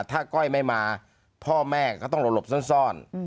ถ้าก้อยไม่มาพ่อแม่ก็ต้องหลบซ่อน